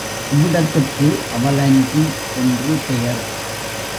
இவ்விடத்திற்கு அவலஞ்சி என்று பெயர்.